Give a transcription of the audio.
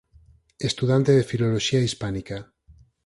Estudante de Filoloxía hispánica.